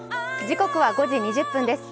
時刻は５時２０分です。